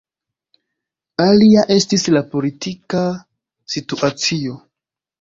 Alia estis la politika situacio.